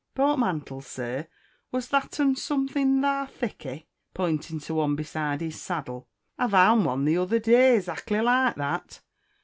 "Port mantle, sar, was't that un, sumthing like thickey?" (pointing to one behind es saddle). "I vound one the t'other day zackly like that."